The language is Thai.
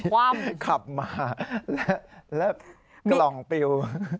ขับมาและกล่องปิว